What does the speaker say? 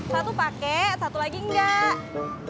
satu pakai satu lagi enggak